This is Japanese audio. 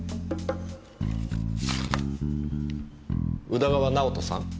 宇田川直人さん？